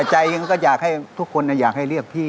ใจเองก็อยากให้ทุกคนอยากให้เรียกพี่